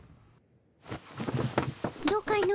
どうかの？